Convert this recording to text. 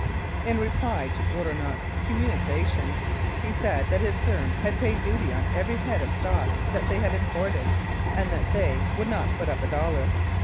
In reply to Bourinot's communication, he said that his firm had paid duty on every head of stock that they had imported, and that they "would not put up a dollar."